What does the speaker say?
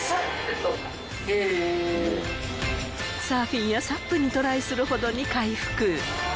サーフィンやサップにトライするほどに回復